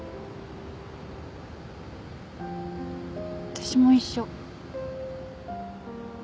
私も一緒。